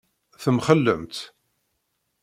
Temxellemt.